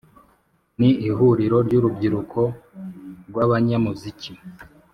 ni ihuriro ry’ urubyiruko rw’abanyamuziki,